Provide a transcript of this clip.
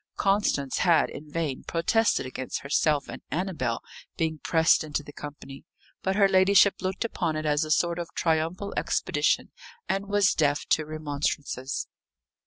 Constance had in vain protested against herself and Annabel being pressed into the company; but her ladyship looked upon it as a sort of triumphal expedition, and was deaf to remonstrances.